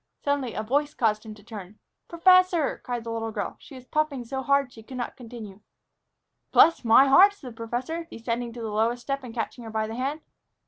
Suddenly a voice caused him to turn. "Professor!" cried the little girl. She was puffing so hard that she could not continue. "Bless my heart!" said the professor, descending to the lowest step and catching her by the hand.